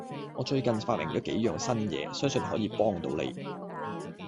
我最近發明咗幾樣新嘢，相信可以幫到你